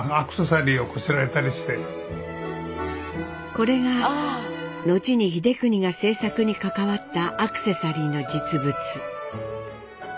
これが後に英邦が制作に関わったアクセサリーの実物。